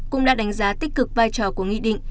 cũng đã đánh giá tích cực vai trò của nghị định